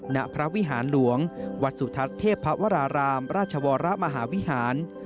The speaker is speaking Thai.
ณพระวิหารหลวงวัดสุทัศน์เทพวรารามราชวรมหาวิหาร